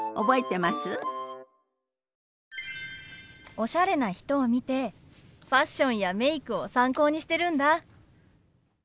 おしゃれな人を見てファッションやメイクを参考にしてるんだ。